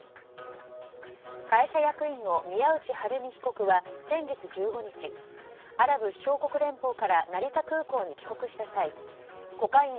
会社役員の宮内春美被告は先月１５日アラブ首長国連邦から成田空港へ帰国した際コカイン